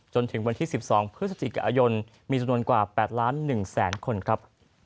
จนถึงวันที่๑๒พฤศจิกายนมีจำนวนกว่า๘ล้าน๑แสนคนครับ